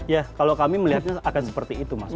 ya kalau kami melihatnya akan seperti itu mas